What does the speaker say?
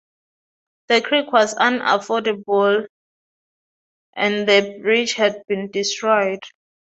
The creek was unfordable, and the bridge had been destroyed.